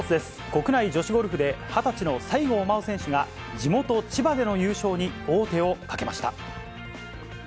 国内女子ゴルフで、２０歳の西郷真央選手が、地元、千葉での優勝に王手をかけました。